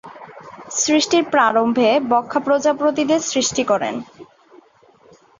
সৃষ্টির প্রারম্ভে ব্রহ্মা প্রজাপতিদের সৃষ্টি করেন।